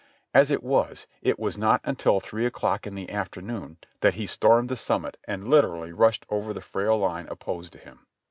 As it was, it was not until three o'clock in the afternoon that he stormed the summit and literally rushed over the frail line opposed to him.